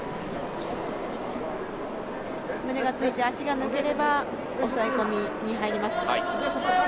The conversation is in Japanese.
胸がついて足が抜ければ抑え込みに入ります。